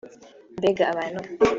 Mbega abantu